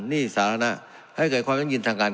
หนี้สาธารณะให้เกิดความยั่งยืนทางการ